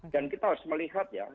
dan kita harus melihat ya